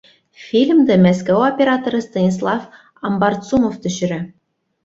Фильмды Мәскәү операторы Станислав Амбарцумов төшөрә.